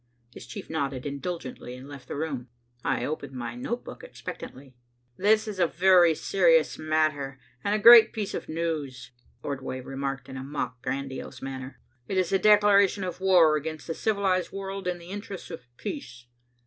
His chief nodded indulgently and left the room. I opened my notebook expectantly. "This is a very serious matter, and a great piece of news," Ordway remarked in a mock grandiose manner. "It is a declaration of war against the civilized world in the interests of peace."